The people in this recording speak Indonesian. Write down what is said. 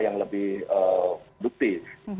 yang lebih produktif